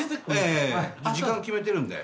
時間決めてるんで。